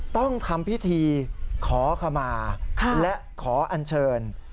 ต้องทำพิธีขอขมาและขออัญเชิญ